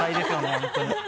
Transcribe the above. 本当に。